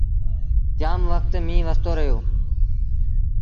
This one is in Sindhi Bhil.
جآم وکت ميݩهن وستو رهيو۔